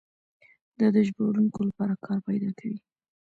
دا د ژباړونکو لپاره کار پیدا کوي.